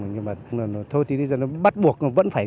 nhưng mà thôi thì bắt buộc